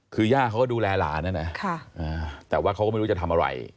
คือย่าเขาก็ดูแลหลานนะนะแต่ว่าเขาก็ไม่รู้จะทำอะไร